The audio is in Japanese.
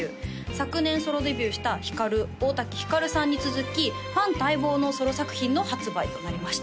昨年ソロデビューしたヒカル大滝ひかるさんに続きファン待望のソロ作品の発売となりました